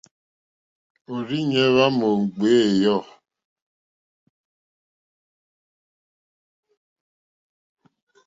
Òrzìɲɛ́ hwá mò ŋɡbèé ɛ̀yɔ̂.